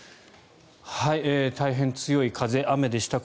大変強い風、雨でした。